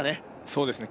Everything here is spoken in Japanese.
そうですね